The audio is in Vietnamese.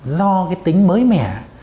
do tính mới mẻ